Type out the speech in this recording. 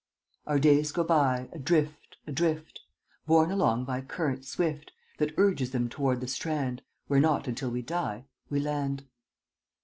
[Footnote 10: Our days go by, adrift, adrift, Borne along by current swift That urges them toward the strand Where not until we die, we land.